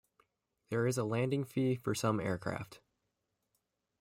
There is a landing fee for some aircraft.